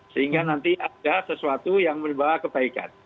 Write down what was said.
sehingga nanti ada sesuatu yang membawa kebaikan